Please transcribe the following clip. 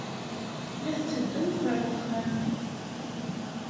La tetteddumt ɣer wexxam.